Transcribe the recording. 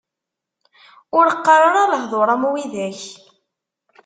Ur qqar ara lehdur am widak!